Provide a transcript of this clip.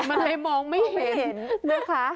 มันเลยมองไม่เห็น